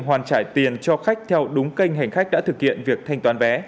hoàn trải tiền cho khách theo đúng kênh hành khách đã thực hiện việc thành toán vé